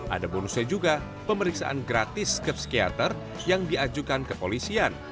ada bonusnya juga pemeriksaan gratis ke psikiater yang diajukan kepolisian